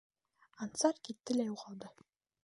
Ансар китте лә юғалды.